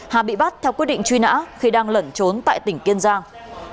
hà bị bắt theo quyết định truy nã khi đang lẩn trốn tại tỉnh kiên giang